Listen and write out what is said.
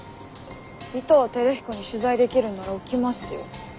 尾藤輝彦に取材できるんなら起きますよ。